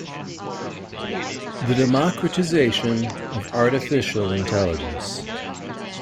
The democratization of artificial intelligence.